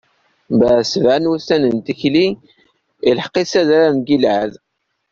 Mbeɛd sebɛa n wussan n tikli, ilḥeq-it s adrar n Gilɛad.